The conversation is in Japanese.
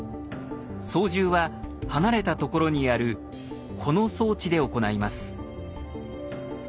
操縦は離れたところにあるこの装置で行います。